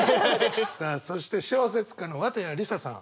さあそして小説家の綿矢りささん。